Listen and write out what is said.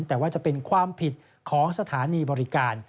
แต่ว่าจะเป็นความผิดของสถานีบริการ